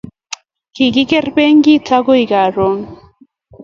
kikier benkit akoi karon